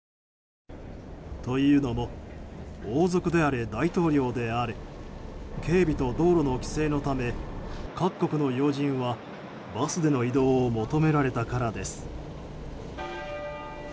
というのも王族であれ、大統領であれ警備と道路の規制のため各国の要人はバスでの移動を求められたからです。